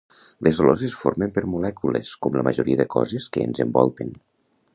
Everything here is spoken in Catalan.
Les olors es formen per molècules com la majoria de coses que ens envolten